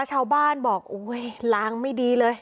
ชาวบ้านบอกโอ้เว้ยล้างไม่ดีเลย